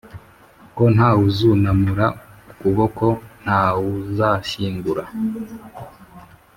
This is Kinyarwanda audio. Ko nta wuzunamura ukuboko nta wuzashingura